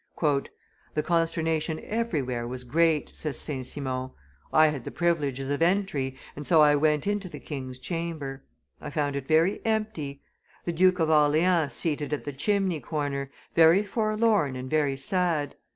"The consternation everywhere was great," says St. Simon; "I had the privileges of entry, and so I went into the king's chamber. I found it very empty; the Duke of Orleans seated at the chimney corner, very forlorn and very sad.